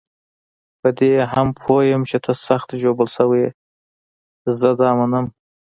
په دې هم پوه یم چې ته سخت ژوبل شوی یې، زه دا منم.